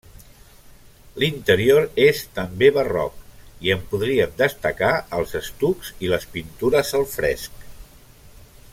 L'interior és també barroc, i en podríem destacar els estucs i les pintures al fresc.